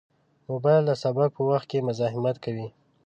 موبایل د سبق په وخت کې مزاحمت کوي.